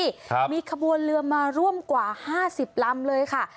ครับมีขบวนเรือมาร่วมกว่าห้าสิบลำเลยค่ะ